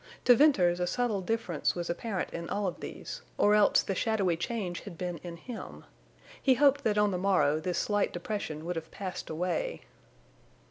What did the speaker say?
To Venters a subtle difference was apparent in all of these, or else the shadowy change had been in him. He hoped that on the morrow this slight depression would have passed away.